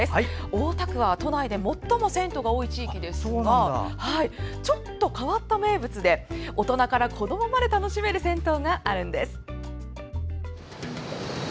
大田区は都内で最も銭湯が多い地域ですがちょっと変わった名物で大人から子どもまで楽しめる銭湯があるんです。